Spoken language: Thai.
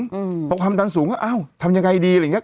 บอกว่าความดันสูงว่าเอ้าทำยังไงดีอะไรอย่างนี้